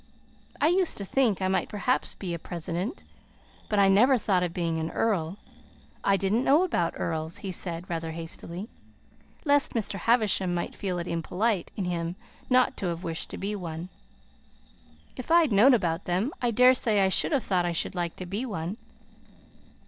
I used to think I might perhaps be a president, but I never thought of being an earl. I didn't know about earls," he said, rather hastily, lest Mr. Havisham might feel it impolite in him not to have wished to be one, "if I'd known about them, I dare say I should have thought I should like to be one."